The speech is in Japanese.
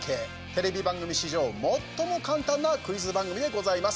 テレビ番組史上最も簡単なクイズ番組でございます。